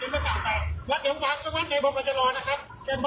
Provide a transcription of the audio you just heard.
วัดเดี๋ยววัดวัดเดี๋ยวผมอาจจะรอนะครับ